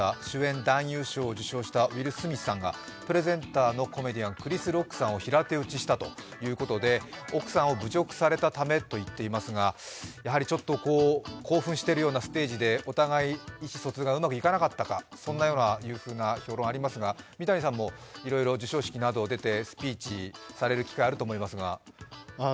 主演男優賞を受賞したウィル・スミスさんがプレゼンターのコメディアンクリス・ロックさんを平手打ちしたということで奥さんを侮辱されたためと言っていますが、やはりちょっと興奮しているようなステージで、お互い、意思疎通がうまくいかなかったか、そんなふうな評論ありますが、三谷さんもいろいろ授賞式など出てスピーチされる機会あると思いますが。